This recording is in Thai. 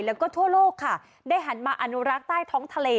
แล้วก็ทั่วโลกค่ะได้หันมาอนุรักษ์ใต้ท้องทะเล